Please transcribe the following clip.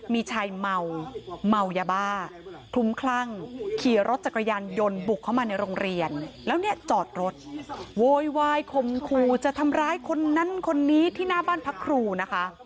มีชายเมาเมายาบ้าคลุมคลั่งขี่รถจักรยานยนต์บุกเข้ามาในโรงเรียนแล้วเนี่ยจอดรถโวยวายคมครูจะทำร้ายคนนั้นคนนี้ที่หน้าบ้านพักครูนะคะ